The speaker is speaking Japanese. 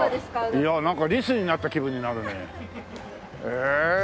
いやなんかリスになった気分になるね。